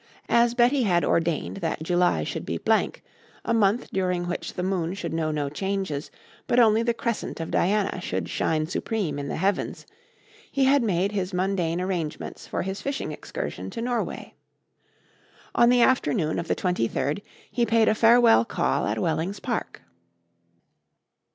As Betty had ordained that July should be blank, a month during which the moon should know no changes but only the crescent of Diana should shine supreme in the heavens, he had made his mundane arrangements for his fishing excursion to Norway. On the afternoon of the 23rd he paid a farewell call at Wellings Park.